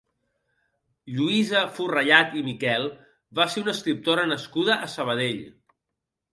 Lluïsa Forrellad i Miquel va ser una escriptora nascuda a Sabadell.